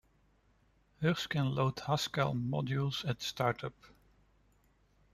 Hugs can load Haskell modules at start-up.